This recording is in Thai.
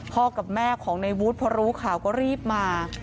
กับแม่ของในวุฒิพอรู้ข่าวก็รีบมา